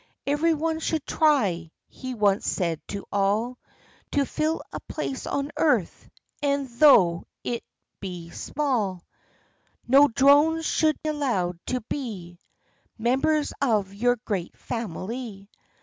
" Every one should try," he once said to all, " To fill a place on earth, e'en though it be small ; No drones should allowed to he Members of your great family.